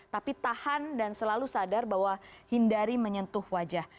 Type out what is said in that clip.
tapi tahan dan selalu sadar bahwa hindari menyentuh wajah